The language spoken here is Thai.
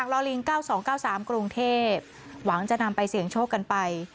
ลอลิง๙๒๙๓กรุงเทพหวังจะนำไปเสี่ยงโชคกันไป